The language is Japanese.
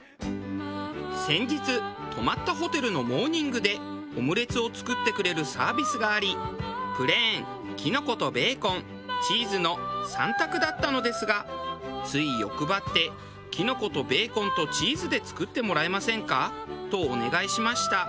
先日泊まったホテルのモーニングでオムレツを作ってくれるサービスがありプレーンキノコとベーコンチーズの３択だったのですがつい欲張って「キノコとベーコンとチーズで作ってもらえませんか？」とお願いしました。